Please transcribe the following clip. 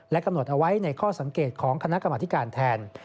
กำหนดเอาไว้ในข้อสังเกตของคณะกรรมธิการแทน